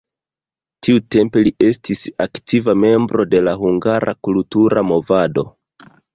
Tiutempe li estis aktiva membro de la hungara kultura movado.